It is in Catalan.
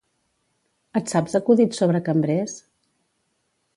Et saps acudits sobre cambrers?